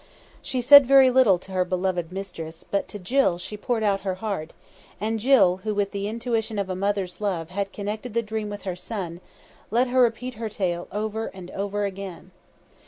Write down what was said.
She said very little to her beloved mistress, but to Jill she poured out her heart, and Jill who with the intuition of a mother's love had connected the dream with her son let her repeat her tale over and over again.